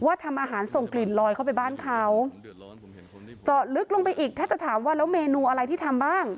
ทำอาหารส่งกลิ่นลอยเข้าไปบ้านเขาเจาะลึกลงไปอีกถ้าจะถามว่าแล้วเมนูอะไรที่ทำบ้าง